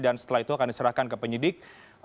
dan setelah itu akan diserahkan ke penyidik